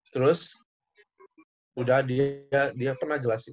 terus udah dia pernah jelasin